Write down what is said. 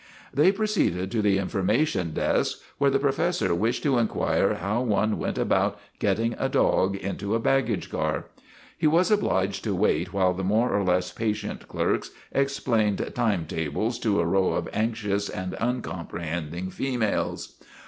They proceeded to the information desk where the professor wished to inquire how one went about getting a dog into a baggage car. He was obliged to wait while the more or less patient clerks explained time tables to a row of anxious and un comprehending females.